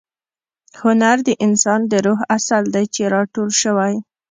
هنر د انسان د روح عسل دی چې را ټول شوی.